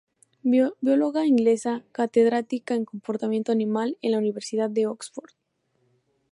Bióloga inglesa, catedrática en comportamiento animal en la Universidad de Oxford.